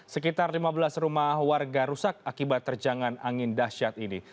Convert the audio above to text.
sekitar lima belas rumah warga rusak akibat terjangan angin dahsyat ini